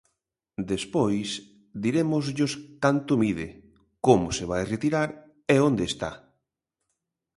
Despois dirémosllos canto mide, como se vai retirar e onde está.